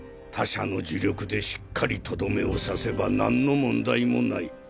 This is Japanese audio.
他者の呪力でしっかりとどめを刺せばなんの問題もない。